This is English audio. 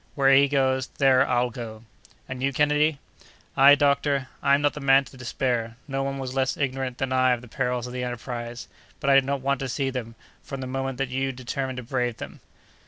Where he goes, there I'll go!" "And you, Kennedy?" "I, doctor, I'm not the man to despair; no one was less ignorant than I of the perils of the enterprise, but I did not want to see them, from the moment that you determined to brave them.